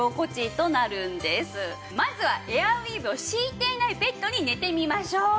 まずはエアウィーヴを敷いていないベッドに寝てみましょう。